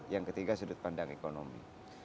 yang ketiga sudut pandang ekonomi